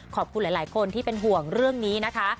ขอบคุณหลายคนที่เป็นห่วงเรื่องนี้นะคะ